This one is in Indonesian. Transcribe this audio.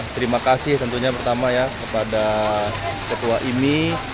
terima kasih pertama kepada ketua imi